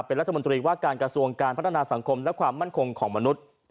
เป็นรัฐมนตรีว่าการกระทรวงการพัฒนาสังคมและความมั่นคงของมนุษย์